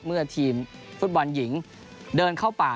เมื่อทีมฟุตบอลหญิงเดินเข้าป่า